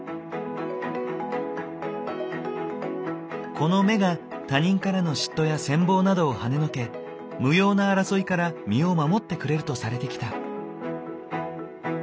この目が他人からの嫉妬や羨望などをはねのけ無用な争いから身を守ってくれるとされてきた。